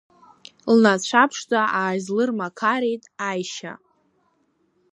Лнацәа ԥшӡа ааизлырмақарит Аишьа.